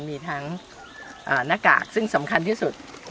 มีทั้งหน้ากากซึ่งสำคัญที่สุด